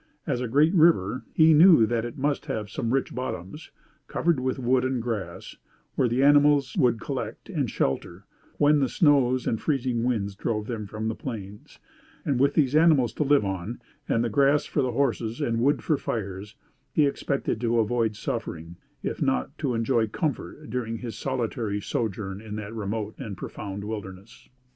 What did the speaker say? As a great river he knew that it must have some rich bottoms, covered with wood and grass, where the wild animals would collect and shelter, when the snows and freezing winds drove them from the plains; and with these animals to live on, and grass for the horses, and wood for fires, he expected to avoid suffering, if not to enjoy comfort, during his solitary sojourn in that remote and profound wilderness.